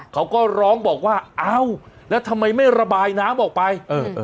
เขาก็ร้องบอกว่าอ้าวแล้วทำไมไม่ระบายน้ำออกไปเออ